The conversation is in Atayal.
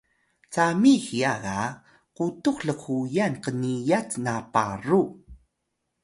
cami hiya ga qutux lhuyan qniyat na paru